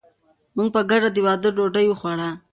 موږ په ګډه د واده ډوډۍ وخوړه.